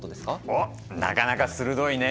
おっなかなか鋭いね！